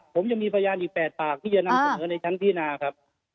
ผมยังมีพยานอีก๘ปากที่จะนำเสนอในชั้นพินาครับ